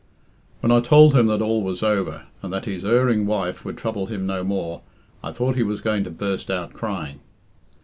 "When I told him that all was over, and that his erring wife would trouble him no more, I thought he was going to burst out crying."